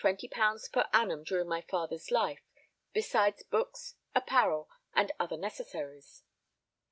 _ per annum during my father's life, besides books, apparel, and other necessaries.